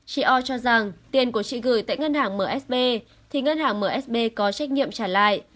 chị o cho rằng tiền của chị gửi tại ngân hàng msb thì ngân hàng msb có trách nhiệm trả lại